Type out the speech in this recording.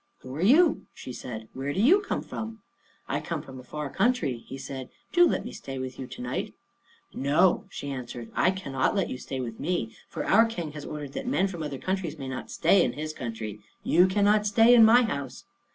"Who are you?" she said. "Where do you come from?" "I come from a far country," he said; "do let me stay with you to night." "No," she answered, "I cannot let you stay with me; for our King has ordered that men from other countries may not stay in his country. You cannot stay in my house."